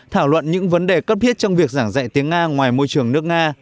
thảo luận những vấn đề cấp thiết trong việc giảng dạy tiếng nga ngoài môi trường nước nga